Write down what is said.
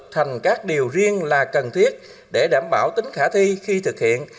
thành các điều riêng là cần thiết để đảm bảo tính khả thi khi thực hiện